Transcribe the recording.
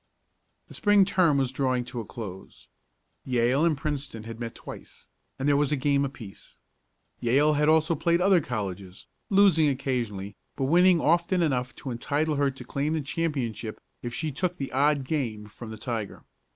The Spring term was drawing to a close. Yale and Princeton had met twice, and there was a game apiece. Yale had also played other colleges, losing occasionally, but winning often enough to entitle her to claim the championship if she took the odd game from the Tiger.